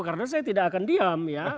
karena saya tidak akan diam ya